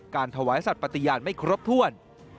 ถวายสัตว์ปฏิญาณไม่ครบถ้วน